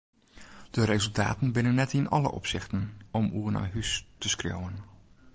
De resultaten binne net yn alle opsichten om oer nei hús te skriuwen.